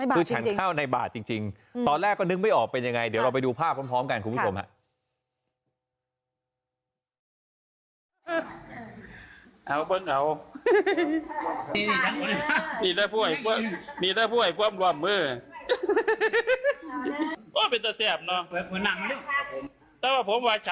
คือฉันเข้าในบาทจริงตอนแรกก็นึกไม่ออกเป็นยังไงเดี๋ยวเราไปดูภาพพร้อมกันคุณผู้ชมฮะ